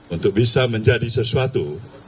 untuk bisa menjadi sesuatu